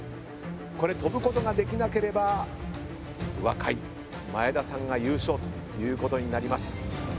これ跳ぶことができなければ若い前田さんが優勝ということになります。